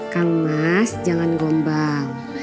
kang mas jangan gombal